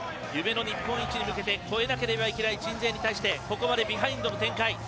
夢の日本一に向けて越えなければいけない鎮西に対してここまでビハインドの展開。